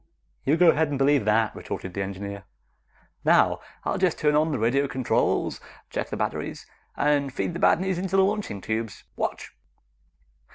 "You go ahead and believe that," retorted the engineer. "Now, I'll just turn on the radio controls, check the batteries, and feed the bad news into the launching tubes. Watch!"